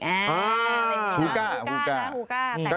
อ่าฮูก้าฮูก้าแตกลายเพิ่มไปอ่าฮูก้าฮูก้า